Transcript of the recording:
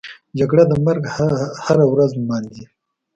جګړه د مرګ هره ورځ نمانځي